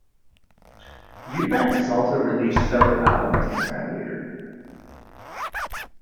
Eubanks has also released several albums as a bandleader.